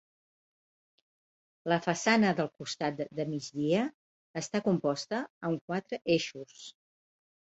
La façana del costat de migdia està composta amb quatre eixos.